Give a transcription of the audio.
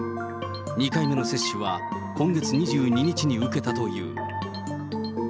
２回目の接種は今月２２日に受けたという。